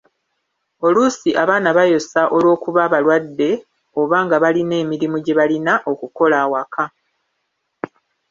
Oluusi abaana bayosa olw'okuba balwadde oba nga balina emirimu gye balina okukola awaka.